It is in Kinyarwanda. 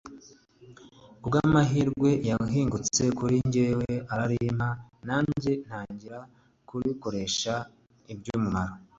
kubw’amahirwe yahingutse kuri njyewe ararimpa nanje ntangira kurikoresha iby’umumaro